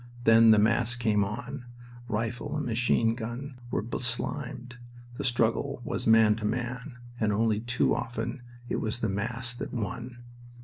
Then the mass came on. Rifle and machine gun were beslimed. The struggle was man to man, and only too often it was the mass that won.